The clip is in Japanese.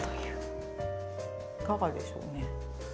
いかがでしょうね。